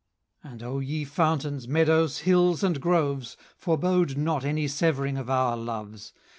And O ye Fountains, Meadows, Hills, and Groves, Forebode not any severing of our loves!